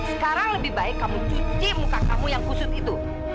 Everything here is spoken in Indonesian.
sekarang lebih baik kamu cuci muka kamu yang khusus itu